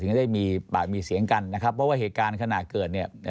ก็ได้มีปากมีเสียงกันนะครับเพราะว่าเหตุการณ์ขณะเกิดเนี่ย